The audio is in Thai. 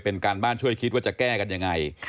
ตรงการบ้านช่วยคิดจะแก้กันยังไง